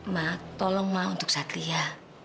mak tolong ma untuk satria